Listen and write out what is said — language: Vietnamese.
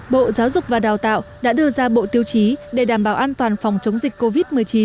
bộ giáo dục và đào tạo đã đưa ra bộ tiêu chí để đảm bảo an toàn phòng chống dịch covid một mươi chín